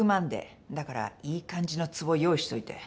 だからいい感じのつぼ用意しといて。